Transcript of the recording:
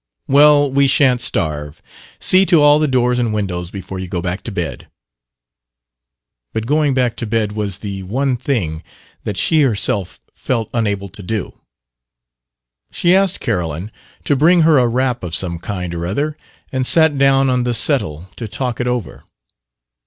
"Well, we sha'n't starve. See to all the doors and windows before you go back to bed." But going back to bed was the one thing that she herself felt unable to do. She asked Carolyn to bring her a wrap of some kind or other, and sat down on the settle to talk it over.